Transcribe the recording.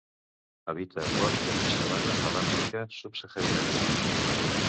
Habita boscos i sabanes de l'Àfrica subsahariana.